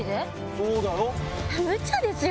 そうだよ。